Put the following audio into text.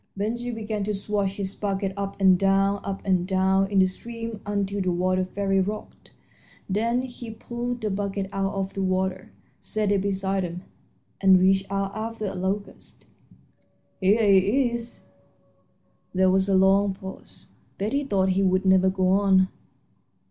Ben Gile began to swash his bucket up and down, up and down, in the stream until the water fairly rocked. Then he pulled the bucket out of the water, set it beside him, and reached out after a locust. "Here he is." There was a long pause. Betty thought he would never go on.